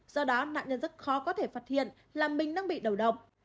do đó nạn nhân rất khó có thể phát hiện là mình đang bị đầu độc